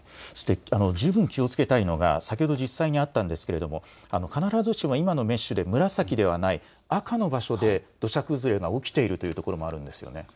十分気をつけたいのが先ほど実際にあったんですけれども必ずしも紫ではない、赤の場所で土砂崩れが起きているというところもあるんですよね。